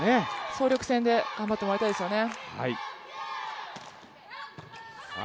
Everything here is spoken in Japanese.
総力戦で頑張ってもらいたいですよね。